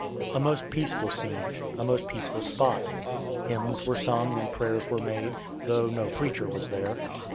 A most peaceful scene; a most peaceful spot. Hymns were sung and prayers were made, though no preacher was there.